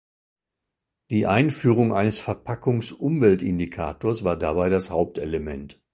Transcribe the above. Die Einführung eines Verpackungsumweltindikators war dabei das Hauptelement.